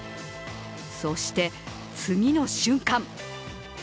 そして次の瞬間